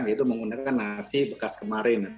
yaitu menggunakan nasi bekas kemarin